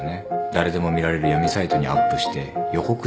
誰でも見られる闇サイトにアップして予告してるわけだし。